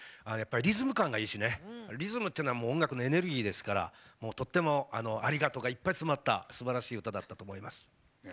リズム感がいいしリズムっていうのは音楽のエネルギーですからとっても「ありがとう」がいっぱい詰まったすばらしい歌だったと思います。